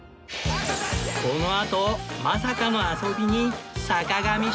このあとまさかの遊びに坂上忍大興奮！